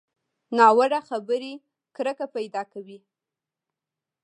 ناوړه خبرې کرکه پیدا کوي